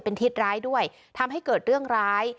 ทิศร้ายด้วยทำให้เกิดเรื่องร้าย